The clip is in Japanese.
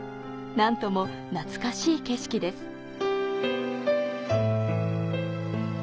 何とも懐かしい景色です。